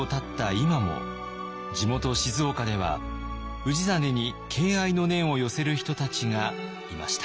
今も地元静岡では氏真に敬愛の念を寄せる人たちがいました。